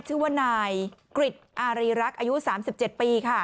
ชื่อว่านายกริจอารีรักษ์อายุ๓๗ปีค่ะ